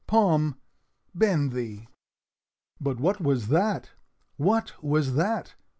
Palm, bend thee!" But what was that, what was that?